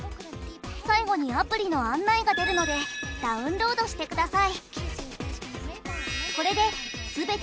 最後にアプリの案内が出るのでダウンロードしてください。